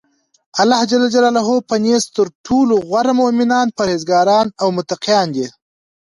الله ج په نزد ترټولو غوره مؤمنان پرهیزګاران او متقیان دی.